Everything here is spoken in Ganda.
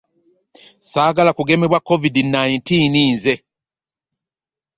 Saagala kugemebwa covid nineteen nze!